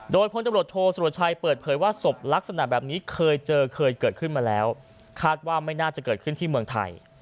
โดยพลตำรวจโทสุรชัยเปิดเผยว่าศพลักษณะแบบนี้เคยเจอเคยเกิดขึ้นมาแล้วคาดว่าไม่น่าจะเกิดขึ้นที่เมืองไทย